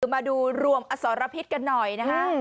มาดูรวมอสรพิษกันหน่อยนะฮะ